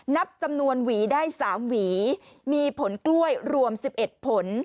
นับจำนวนหวีได้๓หวีมีผลกล้วยรวม๑๑ผล